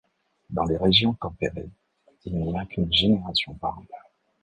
Dans les régions tempérées, il n'y a qu'une génération par an.